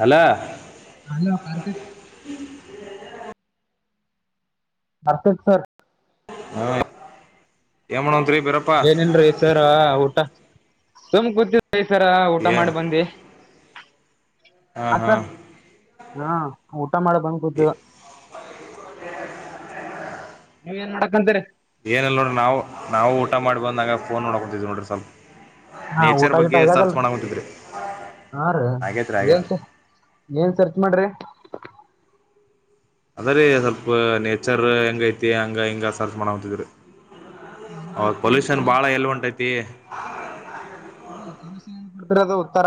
Hello ಹ hello Karthik ಆರ್ತಕ್ sir ಹಾ ಎಮ ಏನಲ್ರೀ ಈಸರ ಊಟ ಸುಮ್ ಗ್ದ ಈಸರ ಊಟ ಏ ಮಾಡಿ ಬಂದೆ ಹಾ ಆ ಹಾ ಸರ್ ಹಾ ಊಟ ಮಾಡ ಬಂದ್ ಕೂತವ ನೀವ ಏನ್ ಮಾಡ ಏನಲ್ ನೋಡ್ರಿ ನಾವು ನಾವು ಊಟ ಮಾಡಿ ಬಂದಾಗ ಫೋನ್ ನೋಡಕೊತಿದ್ವಿ ನೋಡ್ರಿ ಸ್ವಲ್ಪ ಹಾ ಊಟ ನೇಚರ್ ಗಿಟ ಬಗ್ಗೆ ಸರ್ಚ್ ಆಗ್ಯದಲ್ರಿ ಮಾಡಕ್ಂತಿದ್ರಿ ಹಾ ರ ಏನ್ ಏನ್ ಸರ್ಚ್ ಮಾಡ್ರಿ ಅದ್ರೀ ಸ್ವಲ್ಪ ನೇಚರ್ ಹೆಂಗ ಐತಿ ಹಂಗ ಹಿಂಗ ಸರ್ಚ್ ಮಾಡಂತಿದ್ರರಿ ಹೌದ ಪೊಲ್ಯೂಷನ್ ಬಾಳ ಎಲ್ಂಟೈತಿ ಉದ್ರದು ಉತ್ತರ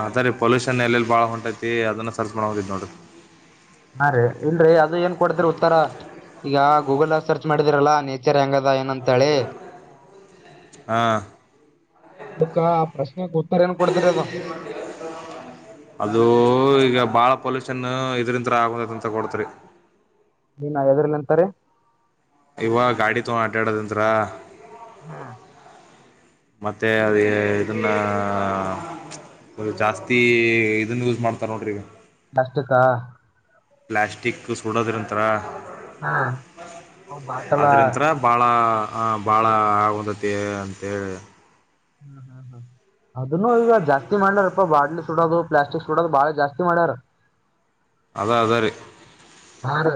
ಅದ ರೀ ಪೊಲ್ಯೂಷನ್ ಎಲ್ಲಿ ಬಾಳ ಹೊಂಟೈತಿ ಅದನ್ನ ಸರ್ಚ್ ಮಾಡ ಹೋಗಿದ್ ನೋಡ್ರಿ ಹಾ ರೀ ಇಲ್ರರಿ ಅದು ಏನ್ ಕೊಡದ್ರಿ ಉತ್ತರ ಈಗ ಗೂಗಲ್ ಸರ್ಚ್ ಮಾಡಿದಿರಲ್ಲಾ ನೇಚರ್ ಹೆಂಗದ ಏನ ಅಂತ ಹೇಳಿ ಹಾ ಅದಕ್ಕ ಆ ಪ್ರಶ್ನೆಗೆ ಉತ್ತರ ಏನ್ ಕೊಡ್ತರಿ ಅದ ಅದು ಈಗ ಬಹಳ ಪೊಲ್ಯೂಷನ್ ಇದ್ರ ತರ ಆಗ ಅಂತ ಕೊಡ್ತರಿ ನೀನ ಎದ್ರಲ್ಲಂತಾರೆ ಇವ ಗಾಡಿ ತಗ ಆಟಾಡೋದಂತ್ರ ಹಾ ಮೆ ಅ ಇದನ್ನು ಒ ಜಾಸ್ತಿ ಇದನ್ನ ಯೂಸ್ ಮಾಡ್ತಾರ ನೋಡ್ರಿ ನಷ್ಟಕ್ಕ ಪ್ಲಾಸ್ಟಿಕ್ ಸುಡೋದ್ರ ನಂತರ ಹಾ ಬಾಟಲ ಅದ್ರಂತ್ರ ಬಾಳ ಭಾಳ ಆಗಂದತಿ ಅಂಂತೇಳಿ ಹ್ಮ್ ಹ್ಮ ಹ್ಮ ಅದನ್ನು ಈಗ ಜಾಸ್ತಿ ಮಾಡ್ಲಾರಪ್ಪ ಬಾಟ್ಲಿ ಸುಡೋದು ಪ್ಲಾಸ್ಟಿಕ್ ಸುಡೋದು ಬಾಳ ಜಾಸ್ತಿ ಮಾಡ್ಯಾರ ಅದ ಅದಾರೆ ಬರ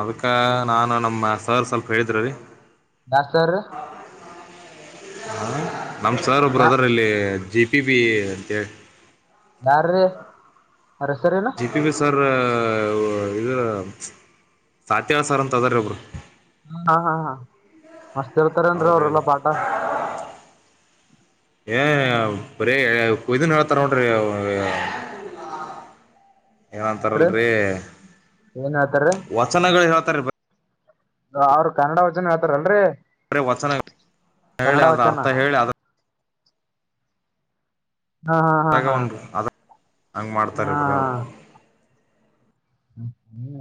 ಅದಕ್ಕ ನಾನು ನಮ್ಮ ಸರ್ ಸ್ವಲ್ಪ ಹೇಳಿದ್ರೀ ನಾಸರ್ ಹ ನಮ್ಮ ಸರ್ ಒ ಬ್ರದರಲ್ಲಿ ಜಿ ಪಿ ಬಿ ಅಂತೇಳಿ ಯಾರ್ರೀ ಅವ್ರ ಹೆಸರೇನು ಜಿ ಪಿ ಪ ಸರ್ ಇದ ಸಾತ್ಯವ ಸಾರ ಅಂತ ಅದ್ರ ಒಬ್ರು ಹ ಹಾ ಹಾ ಹಾ ಮಸ್ತ್ ಹೇಳ್ತಾರೇನ್ರಿ ಅವ್ರ ಹೇಳ ಅವ್ರಲ್ಲಾ ಪಾಠ ಏ ಬರೀ ಒ ಇದು ನ ತರ್ರ ಏನ್ರೀ ಏನಂತಾರಲ್ರರಿ ಏನ್ ಹೇಳ್ತಾರೀ ವಚನಗಳು ಹೇಳ್ತಾರ ಅವ್ರು ಕನ್ನಡ ವ್ನ ಹೇತಾರಲ್ರರಿ ಬರರೆ ವಚನ ಹೇಳಿ ಅದ್ರ ವಚನ ಅರ್ಥ ಹೇಳಿ ಅದ್ರ ಹಾ ಹಾ ಹಾ ಅದ್ರಾಗ ಹಾ ಒಂದು ಅದ ಹಂಗ್ ಹ್ಮ ಮಾಡ್ತಾರೀ ಬರೀ ಅವ್ರು ಹ ಹ್ಮ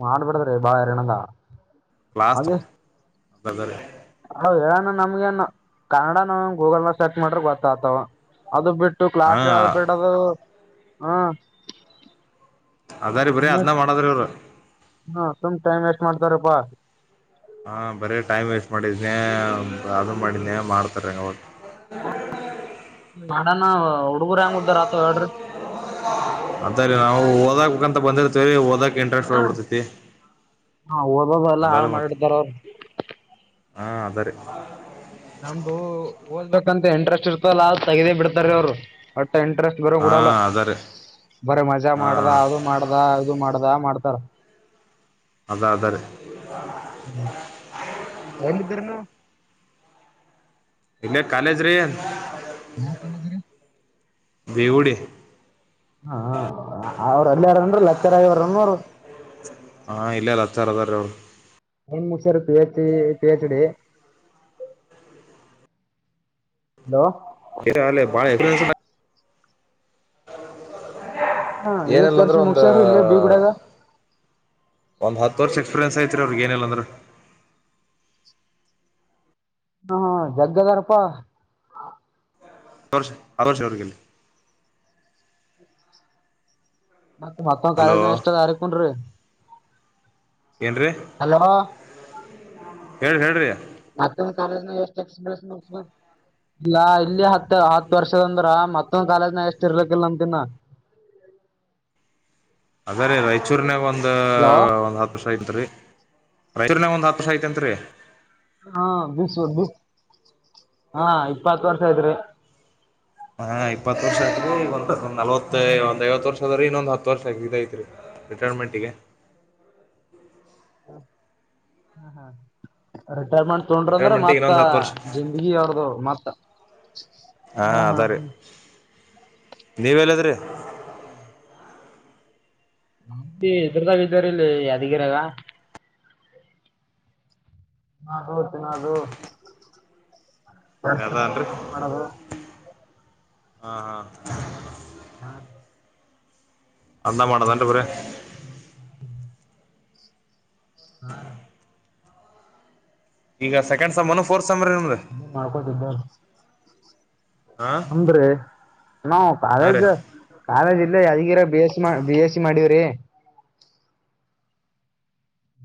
ಮಾಡಬಿಡ್ದ್ರಿ ಬಾಾರಣಂಗ ಕ್ಲಾಸ್ ಹಾಗದೆ ಅದರಿ ಹ ಹೇಳಾನಂದ ನಮ್ಗೆ ಏ ಕನ್ನಡ ನಾವ ಗೂಗಲ್ ನ ಸರ್ಚ್ ಮಾಡ್ರ ಗೊತ್ತ ಆತಾವ ಅದು ಬಿಟ್ಟು ಹಾ ಕ್ಲಾಸ್ ಹೇಳದು್ ಬಿಡದು ಹ್ಮ ಅದಾರಿೀ ಬ್ರೀ ಅದ್ನ ಮಾಡದ್ರ ಅವ್ರ ಹ್ಮ ಸುಮ್ ಟೈಮ್ ವೇಸ್ಟ್ ಮಾಡ್ತಾರಪ್ಪಾ ಹಾ ಬರೀ ಟೈಮ್ ವೇಸ್ಟ್ ಮಾಡಿದನನೆ ಅದು ಮಾಡಿದನನೆ ಮಾಡ್ತಾರಂಗ ಅವ ಮಾಡನಾ ಹಡುಗುರಂಗ ಉದ್ದರತ ಎಡ್ರ ಅಂತ ಬಂದಿ ಹದ ಇಂಟ್ರೆಸ್ಟ್ ಹ್ಬಿಡ್ತೈತಿ ಹಾ ಓದೋದ ಎಲ್ಲ ಹಾಳ ಅಂದಾರೆೆ ಮತ್ತ ಮಾಡಿರ್ತಾರ ಅವ್ರು ಹಾ ಅದಾರೆ ನಮ್ದು ಓದಬೇಕಂತ ಇಂಟ್ರೆಸ್ಟ್ ಇರ್ತಲ್ಲ ತಗದೇ ಬಿಡ್ತಾರ ಅವ್ರು ಬಟ್ ಇಂಟ್ರೆಸ್ಟ್ ಬರ ಹಾ ಕೊಡಲ್ಲ ಅದರಿ ಬರ ಮಜಾ ಹಾ ಮಾಡದ ಅದು ಮಾಡದ ಅದು ಮಾಡ್ದ ಮಾಡ [unintelligible] ಅದ ಅದಾರಿ ಎಲ್ಲಿದ್ದೀರ ನೀವು ಇಲ್ಲೇ ಕಾಲೇಜ್ರೀ ಏನ್ ಬವುರೆ ಹಾ ಅವ್ರ ಅಲ್ಲಿ ಯಾರನ್ರು ಲತ್ತರಾಯವರನ್ರು ಹಾ ಇಲ್ಲ ಅಲ್ಲ ಹತ್ತಾರದರ ಅವಳು ನ್ ಮೂರುಷರ್ P H PhD hello ಎ ಅ ಬಳ ಎ ಹಾ ಹೌ ಎಷ್ಟ್ ಏನಲ್ಲ ವರ್ಷ ಅಂದ್ರೆ ಒಂದು ಮುಗಸ್ಯಾರ ಇಲ್ಲೇ ಬೀಗುಡಾಗ ಒಂದ್ ಹತ್ತು ವರ್ಷ ಎಕ್ಸ್ಪೀರಿಯನ್ಸ್ ಐತ್ ರೀ ಅವ್ರಿಗೆ ಏನಿಲ್ಲಂದ್ರ ಹಾ ಹಾ ಜಗ್ಗದಾರಪ್ಪಾ ತೋರ್ಸಿ [unintelligible] ಮತ್ತತ್ ಮತ್ತೊ್ ಹಲೋ ಕಾಲೇಜ ಎಷ್ಟ ಅದ ಅರಿಕುನ್ರಿ ಏನ್ರೀ ಹಲೋ ಹೇಳ ಹೇಳಿ್ರಿ [inaudible] ಇಲ್ಲಾ ಇಲ್ಲಿ ಹತ್ ಹತ್ ವರ್ಷದ ಅಂದ್ರ ಮತ್ತೊಂದ ಕಾಲೇಜ್ ನ ಎಷ್ಟ ಇರ್ಲಕ್ಕಿಲ್ಲ ಅಂತ ಇನ್ನ [unintelligible] ಅದೇ ರೀ ರಾಯಚೂರ್ನಾಗ ಒಂದ ಹಲೋ ಒಂದ್ ಹತ್ತು ವರ್ಷ ಐತ್ರಿ ರಾಯಚೂರುನಾಗ ಒಂದ್ ಹತ್ತು ವರ್ಷ ಐತೆತ್ರಿ [unintelligible] ಇಪ್ಪತ್ತು ವರ್ಷ ಇದ್ರೆ ಹಾ ಇಪ್ಪತ್ ವರ್ಷ ಆತ್ರಿ ಒಂದ ನಲ್ವತ್ತ ಒಂದ್ ಐವತ್ ವರ್ಷ ಅದ್ರೀ ಇನ್ನೊಂದು ಹತ್ತು ವರ್ಷ ಆಗೈಐತ್ರಿ ರಿಟೈರ್ಮೆಂಟ್ಗೆ ಹ್ಮ ಹಾ ತೊೊಂಡ್ರ ಅಂದ್ರೆ ರಿಟೈರ್ಮೆಂಟಿಗೆ ಮತ್ತ ಇನ್ನೊಂದು ಹತ್ತು ವರ್ಷ ಜಿಂದಗಿ ಅವ್ರ್ದ ಮತ್ತ ಹಾ ಅದಾರೀ ನೀವಲ್ಲದ್ರಿ [inaudible] ನ ಇದ್ರದಾಗ ಇದ್ದಾರ ಇಲ್ಲಿ ಯಾದಿಗಿರಾಗ ನಾ ಹೋತೀನ ಅದು ಅದ ಅನ್ರಿ ಮಾಡದು ಹಾ ಹಾ ಅಂದ ಮಾಡದ [unintelligible] [inaudible] ಆರು ಈಗ ಸೆಕೆಂಡ್ ಸೆಮ್ ಫೋರ್ತ್ ಸಮ್ಮರಿ ನಿಮ್ದು [unintelligible] ಹಾ ನಮ್ಧರಿ ನಾವ್ ಹಾ ರೀ college college Yadgir B S B S C ಮಾಡವ್ರಿ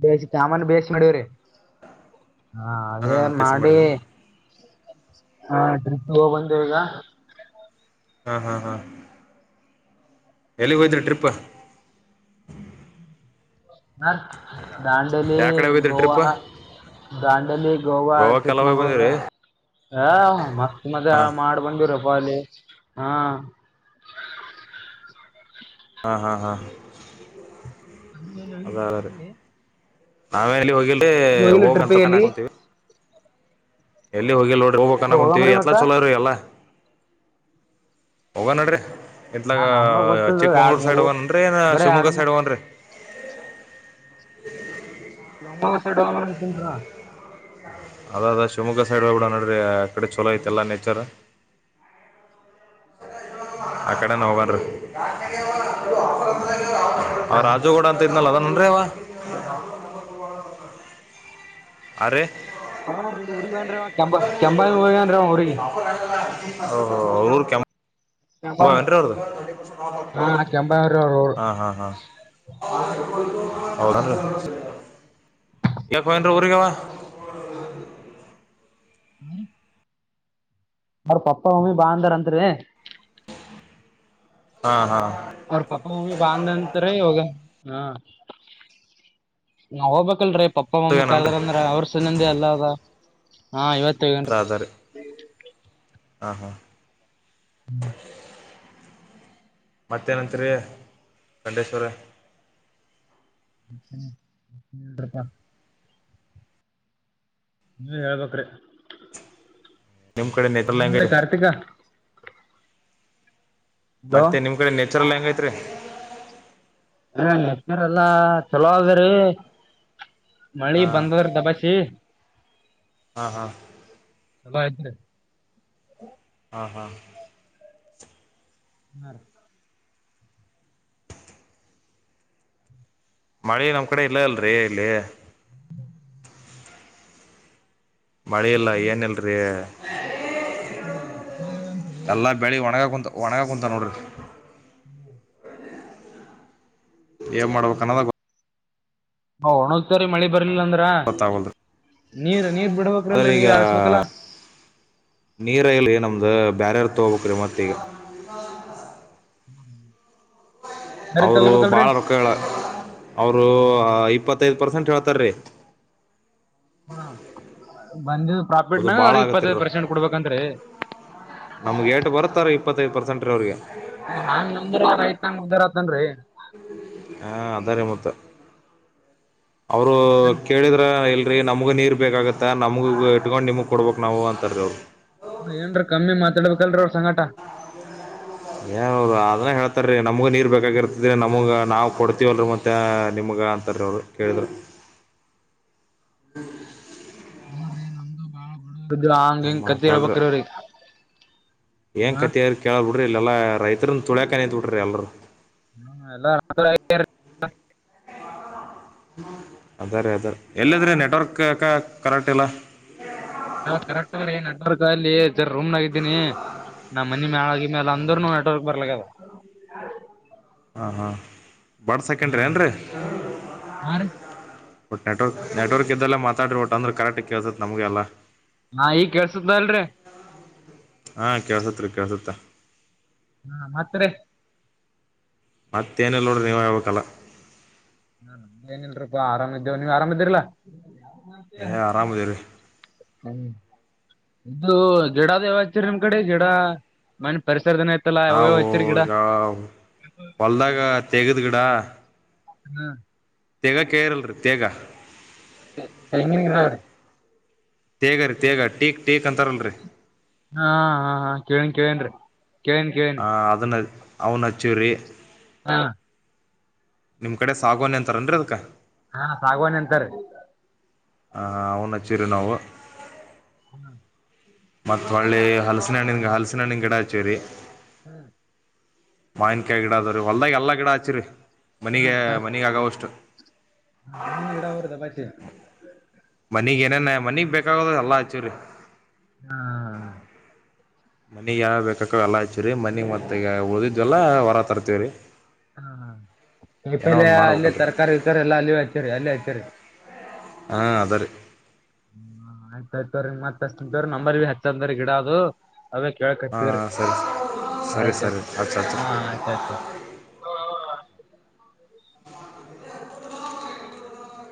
ಬೇಸ ತಾಮನ್ ಬಿ ಎಸ್ ಸಿ ಮಾಡವ್ರೀ ಹಾ ಅದೇ ಕಸಿ ಮಾಡಿ ಮಾಡಿರ ಹಾ ಟ್ರಿಪ್ ಹೋಗ್ಬಂದೇವಿ ಈಗ ಹಾ ಹಾ ಹಾ ಎಲ್ಲಿಗೆ ಹೋಯಿದ್ರ ಟ್ರಿಪ್ ಹಾ ದಾಂಡೇಲಿ ಯಾ ಕಡೆ ಹೋಗಿದ್ರಿ ಟ್ರಿಪ್ ಗೋವಾ ದಾಂಡಲಿ ಗೋವಾ ಗೋವಾಕ್ಕೆಲ್ಲ ಹೋಗಿ ಚಿಕ್ಕಮಂಗಳೂರು ಬಂದಿರಿ ಹ ಮಸ್ತ್ ಮಜಾ ಹಾ ಮಾಡ್ ಬಂದರ ಹಾ ಹಾ, ಹಾ, ಹಾ- ಹಲ್ಲ ವಿಲ್ಲ [unintelligible] ನಾವ ಎಲ್ಲಿ ಹೋಗಿಲ್ರಿ ಹೋಗ ಟ್ರಿಪ್ಪಿಗೆ ಅಂತ ಎಲ್ಲಿ ಅನಕುಂತೀವಿ. ಎಲ್ಲಿ ಹೋಗಿಲ್ ನೋಡ್ರಿ ಹೋಗ್ಕ್ನ್ನ ಕುಂತೀವಿ ಹೋಗಮ್ರಿ ಎತ್ಲಾ ಮತ್ತ ಚಲೋ ರೀ ಎಲ್ಲಾ ಹೋಗ ನಡ್ರಿ ನಾ ಇತ್ಲಾಗ ನಮ್ಗ ಗೊತ್ತಲ್ರಿ ಎರಡ್ ಚಿಕ್ಕಮಂಗಳೂರ್ ಸೈಡ್ ಮೂರು ಹೋಗನ್ನ್ರೀ ಏನ ಬರೀ ಎರಡ್ ಶಿವಮೊಗ್ಗ ಸೈಡ್ ಮೂರ್ ಹೋಗನ್ರೀ [inaudible] ಶಿವಮೊಗ್ಗ ಸೈಡ್ ಹೋಗನಾಡ್ರಿ ಅದ ಅದ ಶಿವಮೊಗ್ಗ ಸೈಡ್ ಹೋಗ್ಬಿಡ ನೋಡ್ರಿ ಆ ಕಡೆ ಚಲೋ ಐತೆಲ್ಲಾ ನೇಚರ್ ಆ ಕಡೆನ ಹೋಗಾರಿ ಅವ ರಾಜುಗೌಡ ಅಂತ ಇದ್ನಲ್ಲ [unintelligible] [inaudible] ಆ [inaudible] [inaudible] ಕೆಂಬ ಕೆಂಬಾವಿ ಹೋಗ್ಯಾನ್ರಿ ಅವ ಊರಿಗೆ ಅವೂರು ಕೆಂಬಾವಿ ಎಂಟ್ರ ಅವದು ಹಾ ಕೆಂಬಾವಿ ಅವ್ರ ಅವ್ರ [unintelligible] ಹಾ, ಹಾ, ಹಾ ಹೌದನ್ರಿ ಇವತ್ತಾಹೋಗಾನ್ನ್ರೀ ಅವಾ ಊರಿಗಿ. [inaudible] ಹರಿೀ [inaudible] ಅವ್ರ ಪಪ್ಪಾ, ಮಮ್ಮಿ ಬಾ ಅಂದಾರ್ ಅಂತ ರಿ. ಹಾ, ಹಾ,, - ಅವ್ರ ಪಪ್ಪಾ, ಮಮ್ಮಿ ಬಾ ಅಂದರಂತರಿ. ಹ್ಮ, ನಾ ಹೋಗ್ಬೇಕಲ್ರೀ ಪಪ್ಪಾ, ಮಮ್ಮಿ ಏನನ್ರಿ ಕರ್ದಾರ ಅಂದ್ರ ಅವ್ರ ಸಲಂದೆ ಎಲ್ಲ ಅದ ಹಾ, ಇವತ್ತ ಅದ ಹೋಗ್ಯಾನ್ರಿ, ಅದ ರೀ ಹಾ, ಹಾ ಹ್ಮ್ [inaudible] ಮತ್ತೇನಂತರಿ ಗಂಡೇಶ್ವರ. ಎಾ [unintelligible] ನೀವೆ ಹೇಳ್ಬೇಕ್ರಿ ನಿಮ್ ಕಡೆ ಎನ್ ನೇತ್ರಲ್ ಹೆಂಗ ರೀ ನಡದಾದಲೆಕಾರ್ತಿಕ. ಮತ್ತೆ ನಿಮ್ ಕಡೆ ನೆಚರ ಹೆಂಗ್ ಐತ್ರಿ, ನೆಚರೆಲ್ಲಾ ಚಲೋ ಆದ್ರಿಮಳಿ ಹಾ ಬಂದದ್ರ ದಬಾಸಿ. ಹಾ, ಹಾ,, - ಚಲೋ ಆಯ್ತರಿ, ಹಾ, ಹಾ,, - ಹ್ಮ ರ [inaudible] ಮಳಿನಮ್ ಕಡೆ ಇಲ್ಲ ಅಲ್ರಿ ಇಲ್ಲಿ. ಮಳೆ ಇಲ್ಲ ಏನಲ್ರಿ ನ ಕಡೆ ಬರಲನ್ತ್ೀ ಎಲ್ಲಾ ಬೆಳಿ [unintelligible] ಒಣಗ ಕುಂತ ಒಣಗ ಕುಂತವ ನೋಡರಿ. ಹ್ಮ [inaudible] ಏನ್ ಮಾಡ್ಬೇಕನ್ನದ ಗೋತ್ತಾಗವ್ಲದ. ಹ ಒಣಗತಾವರಿ ಮಳಿ ಬರ್ ಬರಲಿಲಂದ್ರ ಗೊತ್ತಾಗಲ್ರಿ ನೀರ್, ನೀರ್ ಅದ್ರ ಬಿಡ್ಬೇಕ್ರಲ್ರೀ ಈಗ ನೀರ್ ಆಸ್ಬೇಕಲ್ಲ. ನೀರ ಇಲ್ಲಿರಿ ನಮ್ದು ಬ್ಯಾರರ್ದ ತೋಗಬೇಕ್ರಿ ಮತ್ತ ಈಗ. ಹ್ಮ್ [inaudible] ಅವರು ಬಾಳ ರೊಕ್ಕಹೇಳಾರಅವರು ಇಪ್ಪತ್ತು, ಹತ್ತೈದು [unintelligible] ಪರ್ಸೆಂಟ್ ಹೇಳ್ತಾರೀ ಹ್ಮ, ಬಂದಿದ ಅದು ಪ್ರಾಫಿಟ್ನಾಗ ಭಾಳ ಅವ್ರ ಇಪ್ಪತ್ತೈದು ಆಗತ್ತಿರ ಪರ್ಸೆಂಟ್ ಕೊಡ್ಬೇಕಂತ್ರರಿ., ನಮ್ಗೆ ಏಟು ಬರ್ತಾರ ಇಪ್ಪತ್ತೈದು ಪರ್ಸೆಂಟ್ ರೀ ಅವ್ರಿಗೆ ಹಾಂಗ ಆಂದುರ್ ಹೆಂಗ ಉದ್ಧಾರ ಐತನ್ ರಿ ಹಾ ಅದಾರೆ ಮತ್ತ ಅವರು ಮತ್ತೇನ್ ಕೇಳಿದ್ರ ಇಲ್ ನಮ್ಗುನೀರ್ ಬೇಕಾಗತ್ತಾ ನಮಗ ಇಟ್ಕೊಂಡು ನಿಮಗೆ ಕೊಡ್ಬೇಕು ನಾವು ಅಂತರಿ ಅವರು. ಏನ್ರರಿ ಕಮ್ಮಿ ಮಾತಾಡ್ಬೇಕಲ್ರಿ ಅವರು. ಏ ಹದು ಆದ್ರೆ ಹೇಳ [unintelligible] ಸ ರೀ ನಮ್ಗು ನೀರು ಬೇಕಾಗಿರ್ತಿದೀ ನಮಗೆ, ನಾವು ಕೊಡ್ತೀವಲ್ರಿ ಮತ್ತನಿಮ್ಗ ಅಂತ ರೀ ಅವರು ಕೇಳಿದ್ರ. [unintelligible] ಹಾಂಗ, ಏನು ಹಿಂಗ ಕಥಿಹೇಳ್ಬೇಕ್ರಿಅವ್ರಿಗೆ. ಏನ್ ಕಥಿ ಕೇಳಿದ್ರುಕೇಳಲ್ ಬಿಡ್ರಿ ಇಲ್ಲಿ ಎಲ್ಲಾ ರೈತರನ್ ತುಳ್ಯಾಕ ನಿಂತ್ ಬಿಟ್ಟಿರಿ ಎಲ್ರೂ. ಹ್ಮ ಎಲ್ಲ [unintelligible] ಅದ ರೀ ಅದಾರೆ ಎಲ್ಲದ್ರೆ ನೆಟ್ವರ್ಕ್ ಯಾಕ ಕರೆಕ್ಟ್ ಇಲ್ಲ ನಾ ಕರೆಕ್್ರ ಏನ್ ಅದ ರಿಅಲ್ಲಿರ ರೂಮ್ನಾಗಿದ್ದೀನಿ ನಮ್ಮ ಮನಿ ಮ್ಯಳಾಗಿ ಮ್ಯಾಲ ಅಂದ್ರನು ನೆಟ್ವರ್ಕ್ ಬರ್ಲಕ್ಕದ ಹಾ ಹಾ ಬಡ್ ಸಕೆಂಡ್ರಿ ಏನ್ರಿೀ ಹಾ ರೀ ಒಟ್ ನೆಟ್ವಕ್ ನೆಟ್ವರ್ಕ್ ಇದ್ದಲ್ಲೇ ಮಾತಾ್ರಿ ಒಟ್ಟ ಅಂದ್ರೆ ಕರೆಕ್ಟ್ ಕೇತ ನಮಗೆಲ್ಲ ಹಾ ಈಗ್ ಕೇಸುತದ ಇಲ್ರಿ ಹಾ ಕೆಳ್ಸತ್ರ ಕೆಳ್ಸತ್ತ ಹಾ ಮಾತ್ರೆ ಮತ್ತೇಏನೆಲ್ಲ ನೋಡ್ರೆ ನೀವ ಹೇಬೇಕಲ್ಲ ಹಾ ನ ಏನಲ್ರಪ್ಪಾ ಆರಾಮಿದ್ದೇವ ನೀವ್ ಆರಾಮಿದ್ರಲ್ಲಾ ಏ ಆರಾಮಾಮದರ ಹ್ಮ್ ಇದು ಗೀಡ ದೇವಚರಿ ನಿಮ್ ಕಡೆ ಜಡ ಮನೆ ಪರಿಸ ನಾವು ಈಗ ಹೊಲ್ದಾಗ ತೆಗದ್ ಗಿಡ ಹ್ಮ್ ತೆಗ ಕೇರ್ಲ್ರಿ ತೇಗ ತೆಂಗಿನ ಗಿಡಾ ತೇಗ ರೀ ತೇಗ ಟೀ ಹಾ ಹಾ ಹಾ ಕೇಳನ್ ಕೇಳೇನ್ರಿ ಕೇಳೇನ್ ಕೇಳೇನಿ ಆ ಅದನ್ನ ಅವ್ನ್ ಹಚ್ಚಿವ್ರರಿ ಹಾ ನಿಮ್ ಕಡೆ ಸಾಗಣಿ ಅಂತಾರನ್ರಿ ಅದ್ ಹಾ ಸಾಗುವಾಣ ಅಂತಾರೆ ಹ ಅ್ನಚ್ಚಿರಿ ನಾವು ಹ್ಮ ಮತ್ತ್ ಒಳ್ಳಿ ಹಲಸಿನ ಹಣ್ಣಿನ್ ಹಲಸಿನ ಹಣ್ಣಿನ್ ಗಿಡ ಹಚೂರಿ [inaudible] ಮಾವನ್ಕಾಯಿ ಗಿಡ ಅದವ್ರೀ ಹೊಲ್ದಾಗ ಎಲ್ಲಾ ಗಿಡ ಹಚಿರಿ ಮನಗ ಮನಿಗ ಆಗೋವಷ್ಟು ಹ ಮಂ್ಣನ್ ಗಿಡ ಅವರುದ ಬತ್ತೆ ಮನಗ್ ಏನೇನ ಮನಗ್ ಬೇಕಾಗದ ಎಲ್ಲಾ ಹಚ್ಚೂರಿ ಹಾ ಮನಿಗ್ ಯಾವ ಬೇಕಕ ಎಲ್ಲ ಆಯತು್ರೀ ಮನಿ ಮತ್ತ ಈಗ ಓದಿದ್ ಎಲ್ಲ ಹೊರ ತರ್ತೇವ್ರೀ ಹ ಕೈಪಲ್ ಅಲ್ಲೇ ಮಾಡ್ಬೇಕಲ್ರಿ ತರಕಾರಿ ಇಕಾರಿ ಎಲ್ಲಾ ಅಲ್ಲಿ ಹಚ್ಚರಿ ಅಲ್ಲಿ ಹಚ್ಚರಿ ಹಾ ಹ ಆಯ್ತ ಆಯ್ತವ ಮತ್ ಹಾಚಿತಿನ್ ತೋರ್ ನಂಬರ್ ಭ ಹೆಚ್ಚಂದ್ರ ಗಿಡ ಅದು ಅವೇ ಹಾಂ ಕೇಳಕತೀವ್ರಿ ಸರಿ ಸರಿ ಸರಿ ಆಯ್ತಯ್ತು ಹಚ್ಚು ಹಚ್ಚು ಹಾ ಆಯ್ತಾಯಯ್ತು ಹೂ ಹ